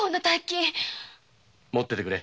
持っててくれ。